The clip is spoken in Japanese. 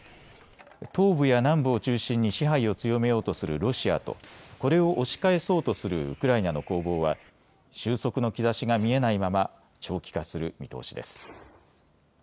東部や南部を中心に支配を強めようとするロシアとこれを押し返そうとするウクライナの攻防は収束の兆しが見えないまま長期化する見通しです。